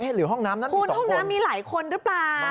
หรือห้องน้ำนั้นคุณห้องน้ำมีหลายคนหรือเปล่า